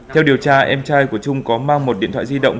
theo điều tra em trai của trung có mang một điện thoại di động